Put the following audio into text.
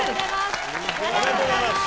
ありがとうございます！